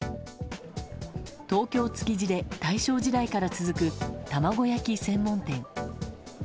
東京・築地で大正時代から続く玉子焼き専門店。